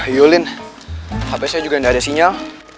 yulin hp saya juga tidak ada sinyal